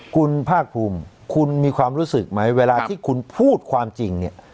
คุณภาคภูมิคุณมีความรู้สึกไหมเวลาที่คุณพูดความจริงเนี่ย